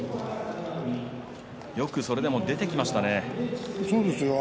よくそれでも出てきましたね。